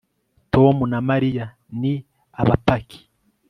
tom na mariya ni abapaki